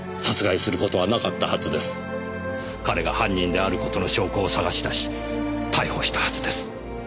彼が犯人である事の証拠を探し出し逮捕したはずです。